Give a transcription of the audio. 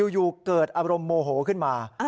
อยู่เกิดอารมณ์โมโหขึ้นมา